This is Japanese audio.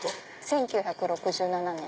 １９６７年。